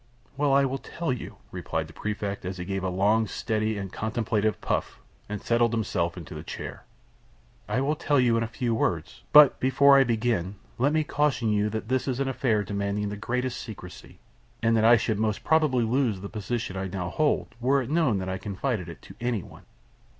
"Why, I will tell you," replied the Prefect, as he gave a long, steady, and contemplative puff, and settled himself in his chair. "I will tell you in a few words; but, before I begin, let me caution you that this is an affair demanding the greatest secrecy, and that I should most probably lose the position I now hold were it known that I confided it to any one."